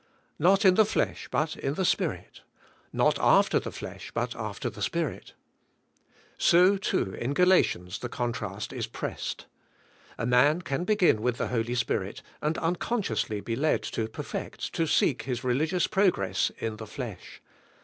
"Not in the flesh but in the Spirit," "Not after the flesh but after the Spirit." So, too, inGalatians the contrast is pressed. A man can begin with the Holy Spirit and unconsciously be led to perfect, to seek his re ligious progress, in the flesh.